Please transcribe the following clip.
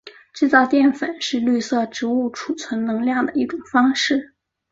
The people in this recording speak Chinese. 制造淀粉是绿色植物贮存能量的一种方式。